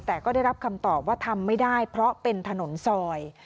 แต่ก็ได้รับคำตอบว่าทำไม่ได้เพราะเป็นถนนซอย